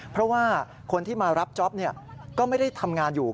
เพราะว่าคนที่มารับจ๊อปก็ไม่ได้ทำงานอยู่